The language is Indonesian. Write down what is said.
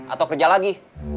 atau kerja lagi